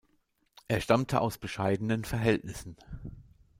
Er stammte aus bescheidenen Verhältnissen.